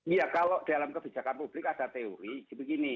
iya kalau dalam kebijakan publik ada teori seperti ini